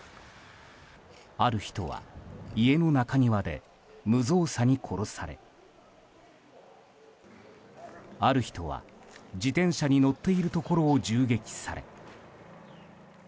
ある人は家の中庭で無造作に殺されある人は自転車に乗っているところを銃撃され。